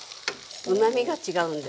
うまみが違うんです。